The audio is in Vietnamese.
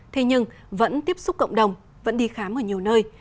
thế nhưng vẫn tiếp xúc cộng đồng vẫn đi khám ở nhiều nơi